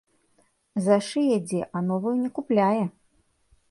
Зашые дзе, а новую не купляе.